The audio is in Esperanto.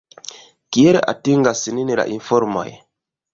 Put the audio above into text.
Kiel atingas nin la informoj?